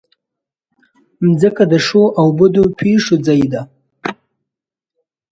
مځکه د ښو او بدو پېښو ځای ده.